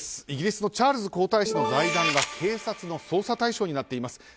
イギリスのチャールズ皇太子の財団が警察の捜査対象になっています。